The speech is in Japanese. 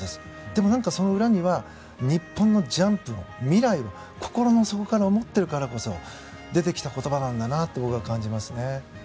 でも、その裏には日本のジャンプの未来を心の底から思っているからこそ出てきた言葉なんだなと僕は感じますね。